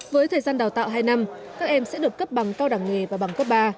với thời gian đào tạo hai năm các em sẽ được cấp bằng cao đẳng nghề và bằng cấp ba